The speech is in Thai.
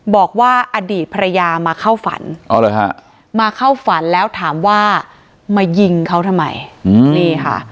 บอกว่าอดีตภรรยามาเข้าฝันมาเข้าฝันแล้วถามว่ามายิงเขาทำไมนี่ค่ะ